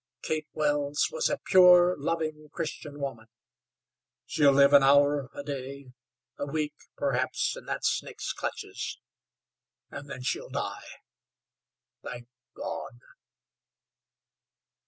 Kate Wells was a pure, loving Christian woman. She'll live an hour, a day, a week, perhaps, in that snake's clutches, and then she'll die. Thank God!"